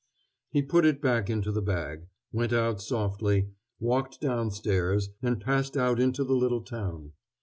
He put it back into the bag, went out softly, walked downstairs, and passed out into the little town.